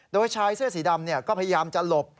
โดยชายเสื้อสีดำก็พยายามจะหลบ